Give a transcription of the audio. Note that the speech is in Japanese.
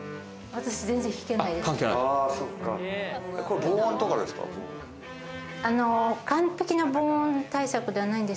私、全然弾けないです。